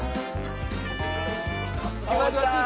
着きました！